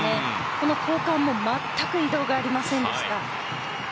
この交換も全く移動がありませんでした。